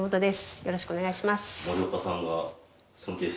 よろしくお願いします。